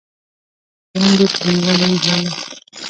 باندې پریولي بالښت